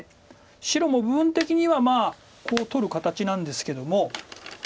白も部分的にはまあこう取る形なんですけども。